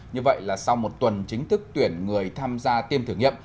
như vậy là sau một tuần chính thức tuyển người tham gia tiêm thử nghiệm